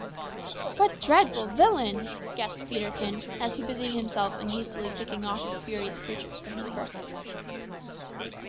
"What dreadful villains!" gasped Peterkin, as he busied himself in hastily picking off the furious creatures from his person.